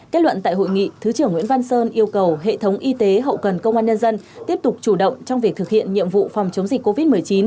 kết luận tại hội nghị thứ trưởng nguyễn văn sơn yêu cầu hệ thống y tế hậu cần công an nhân dân tiếp tục chủ động trong việc thực hiện nhiệm vụ phòng chống dịch covid một mươi chín